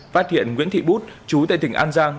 phát hiện nguyễn thị bút chú tại tỉnh an giang